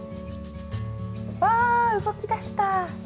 わ動きだした。